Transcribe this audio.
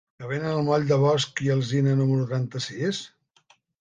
Què venen al moll de Bosch i Alsina número trenta-sis?